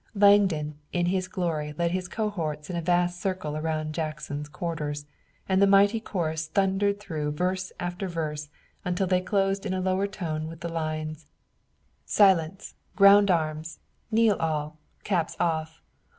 Langdon in his glory led his cohorts in a vast circle around Jackson's quarters, and the mighty chorus thundered through verse after verse, until they closed in a lower tone with the lines: "Silence! ground arms! kneel all! caps off!